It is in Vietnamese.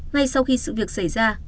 ngay sau khi sự việc xảy ra